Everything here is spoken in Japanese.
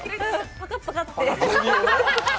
パカッ、パカッて。